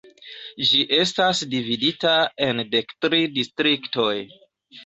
Ĝi estas dividita en dek tri distriktoj.